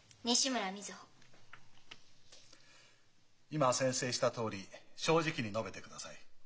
今宣誓したとおり正直に述べてください。